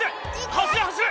走れ走れ！